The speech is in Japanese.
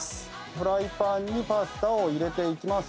フライパンにパスタを入れていきます。